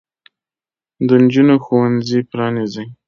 د نجونو ښوونځي پرانیزئ.